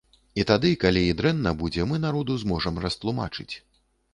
І тады, калі і дрэнна будзе, мы народу зможам растлумачыць.